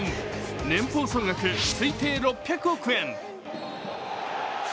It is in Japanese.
年俸総額推定６００億円。